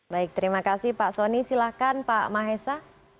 baik terima kasih pak soni silahkan pak mahesa